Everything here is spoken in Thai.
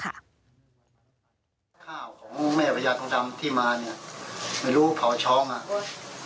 คราวของแม่พระยาคตำทำที่มาเนี้ยบริหารูกเผาช้องอ่ะ